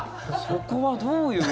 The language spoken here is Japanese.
そこはどういう。